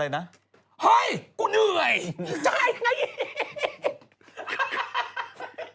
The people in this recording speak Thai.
แล้วมีลูกสาวเลยเป็นตุ๊ดขึ้นทุกวัน